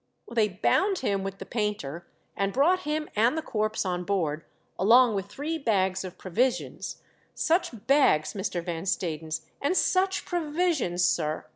They bound him with the painter, and brought him and the corpse on board along with three bags of provisions — such bags, Mr. Van Stadens, and such provisions, sir